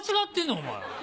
お前。